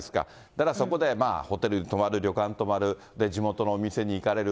だからそこで、ホテルに泊まる、旅館に泊まる、地元のお店に行かれる。